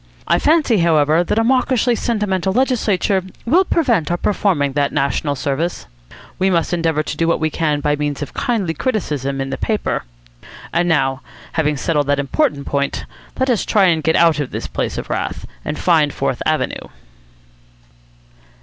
I fancy, however, that a mawkishly sentimental legislature will prevent our performing that national service. We must endeavour to do what we can by means of kindly criticism in the paper. And now, having settled that important point, let us try and get out of this place of wrath, and find Fourth Avenue."